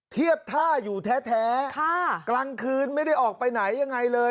เทียบท่าอยู่แท้กลางคืนไม่ได้ออกไปไหนยังไงเลย